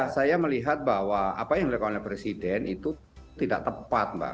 saya melihat bahwa apa yang dilakukan oleh presiden itu tidak tepat mbak